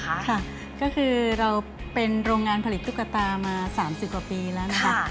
ค่ะก็คือเราเป็นโรงงานผลิตตุ๊กตามา๓๐กว่าปีแล้วนะคะ